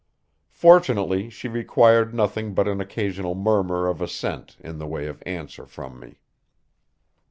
Fortunately she required nothing but an occasional murmur of assent in the way of answer from me.